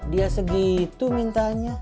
dia segitu mintanya